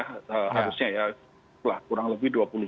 harusnya ya kurang lebih dua puluh